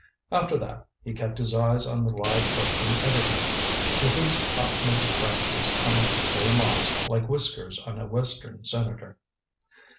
After that he kept his eyes on the live oaks and evergreens, to whose topmost branches hung gray moss like whiskers on a western senator.